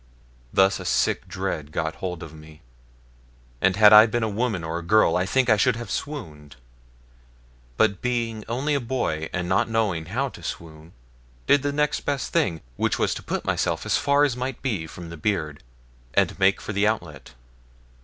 Thus a sick dread got hold of me, and had I been a woman or a girl I think I should have swooned; but being only a boy, and not knowing how to swoon, did the next best thing, which was to put myself as far as might be from the beard, and make for the outlet.